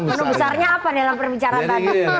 menu besarnya apa dalam perbicaraan tadi